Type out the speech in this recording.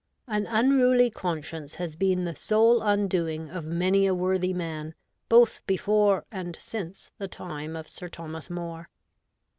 An unruly conscience has been the sole undoing of many a worthy man, both before and since the time of Sir Thomas More.